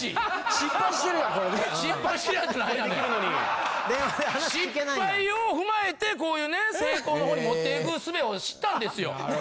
失敗をふまえてこういうね成功の方に持っていく術を知ったんですよ。